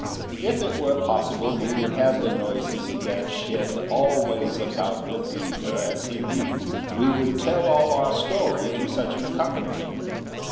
If it were possible we would have the noises of that shed always about the reader as he reads, we would tell all our story to such an accompaniment.